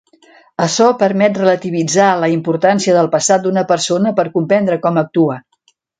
Açò permet relativitzar la importància del passat d'una persona per comprendre com actua.